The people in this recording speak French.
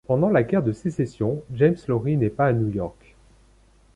Pendant la guerre de Sécession James Laurie n'est pas à New York.